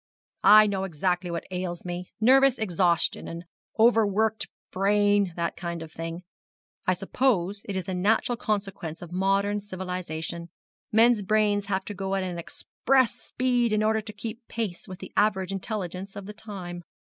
'I know exactly what ails me nervous exhaustion, an over worked brain, and that kind of thing. I suppose it is a natural consequence of modern civilisation: men's brains have to go at express speed in order to keep pace with the average intelligence of the time.'